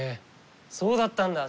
そうだったんだ！